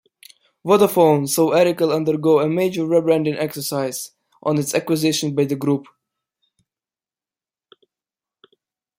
Vodafone saw Eircell undergo a major rebranding exercise on its acquisition by the group.